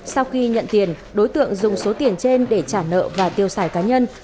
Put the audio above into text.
sau khi nhận tiền đối tượng dùng số tiền trên để trả nợ và tiêu xài cá nhân